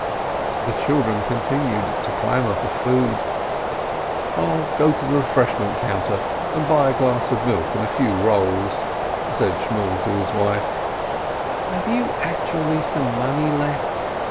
The children continued to clamor for food. "I'll go to the refreshment counter and buy a glass of milk and a few rolls/' said Shmuel to his wife. "Have you actually some money left?"